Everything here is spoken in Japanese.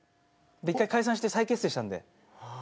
１回解散して再結成したんで。